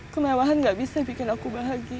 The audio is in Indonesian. kemewahan gak bisa bikin aku bahagia